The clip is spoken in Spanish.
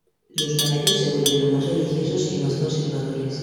Los malayos se volvieron más religiosos y más conservadores.